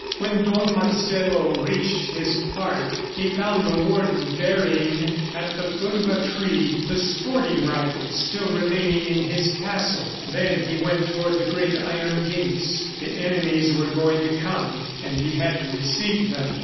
When Don Marcelo reached his park he found the Warden burying at the foot of a tree the sporting rifles still remaining in his castle. Then he went toward the great iron gates. The enemies were going to come, and he had to receive them.